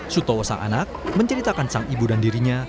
sutowo sang anak menceritakan sang ibu dan dirinya